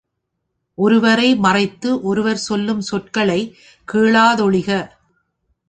ஒருவரை மறைத்து ஒருவர் சொல்லும் சொற்களைக் கேளாதொழிக!